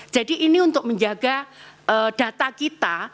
jadi ini untuk menjaga data kita